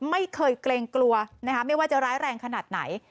เกรงกลัวนะคะไม่ว่าจะร้ายแรงขนาดไหน